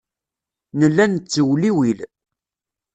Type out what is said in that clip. Nella nettewliwil.